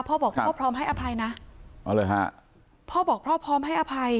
พ่อบอกพ่อพร้อมให้อภัยนะเอาเลยฮะพ่อบอกพ่อพร้อมให้อภัย